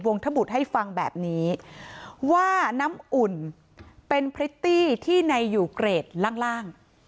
ทบุตรให้ฟังแบบนี้ว่าน้ำอุ่นเป็นพริตตี้ที่ในยูเกรดล่าง